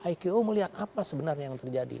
iko melihat apa sebenarnya yang terjadi